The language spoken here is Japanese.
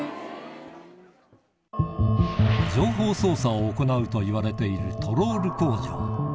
へぇ。を行うといわれているトロール工場